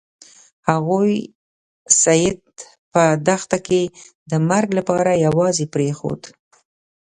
هغوی سید په دښته کې د مرګ لپاره یوازې پریښود.